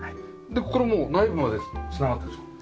でこれもう内部まで繋がってるんですか？